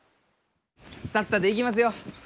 さっさと行きますよ。